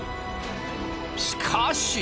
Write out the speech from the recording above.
しかし！